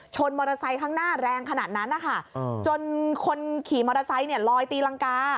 มอเตอร์ไซค์ข้างหน้าแรงขนาดนั้นนะคะจนคนขี่มอเตอร์ไซค์เนี่ยลอยตีรังกา